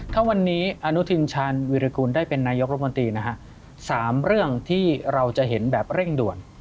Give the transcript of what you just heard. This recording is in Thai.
ถ้าวันนี้อนุทินชาญวิรากูลได้เป็นนายกรัฐมนตรีนะฮะ๓เรื่องที่เราจะเห็นแบบเร่งด่วน